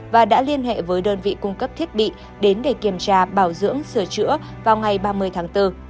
và đã liên hệ với đơn vị cung cấp thiết bị đến để kiểm tra bảo dưỡng sửa chữa vào ngày ba mươi tháng bốn